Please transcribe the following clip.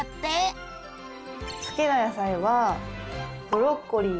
好きな野菜はブロッコリーか。